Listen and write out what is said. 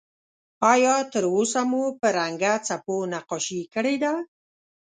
آیا تر اوسه مو په رنګه خپو نقاشي کړې ده؟